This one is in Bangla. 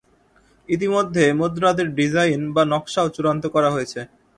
ইতিমধ্যে মুদ্রাটির ডিজাইন বা নকশাও চূড়ান্ত করা হয়েছে।